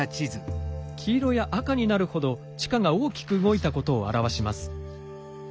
黄色や赤になるほど地下が大きく動いたことを表します。